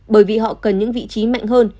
bởi vì họ cần những vị trí mạnh hơn